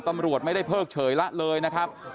ตำรวจไม่ได้เพิกเฉยละเลยนะครับ